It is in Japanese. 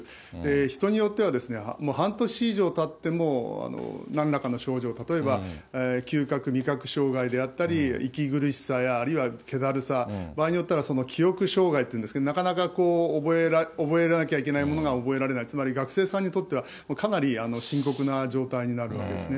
人によっては、もう半年以上たっても、なんらかの症状、例えば嗅覚、味覚障害であったり、息苦しさや、あるいは気だるさ、場合によったらその記憶障害っていうんですか、なかなか覚えなきゃいけないものが覚えられない、つまり学生さんにとってはかなり深刻な状態になるんですね。